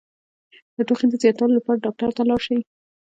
د ټوخي د زیاتوالي لپاره ډاکټر ته لاړ شئ